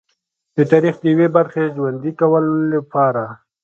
د تاریخ د یوې برخې ژوندي کولو لپاره.